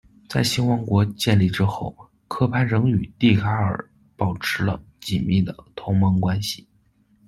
在新王国建立之后，科潘仍与蒂卡尔保持了紧密的同盟关系。